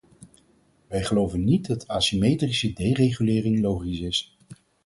Wij geloven niet dat asymmetrische deregulering logisch is.